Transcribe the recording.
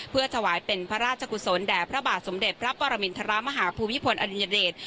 เพื่อถวายเป็นพระราชกุศลแด่พระบาทสมเด็จพระปรมินทรมาฮาภูมิพลอดุญเดช